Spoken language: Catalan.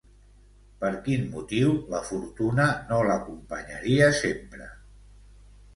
Per quin motiu la fortuna no l'acompanyaria sempre?